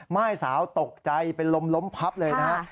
ม่ายสาวตกใจเป็นลมล้มพับเลยนะฮะ